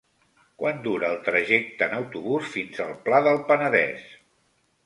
Quant dura el trajecte en autobús fins al Pla del Penedès?